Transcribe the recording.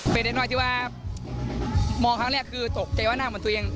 เป็นเล็กน้อยที่ว่ามองครั้งแรกคือตกใจว่าหน้าเหมือนตัวเอง